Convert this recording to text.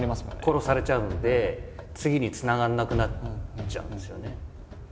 殺されちゃうので次につながらなくなっちゃうんですよね。